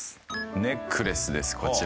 ネックレスですこちらは。